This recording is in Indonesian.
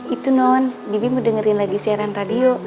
itu non bibi mau dengerin lagi siaran radio